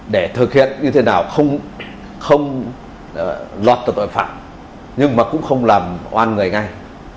để thực hiện như thế nào không không loạt tội phạm nhưng mà cũng không làm oan người ngay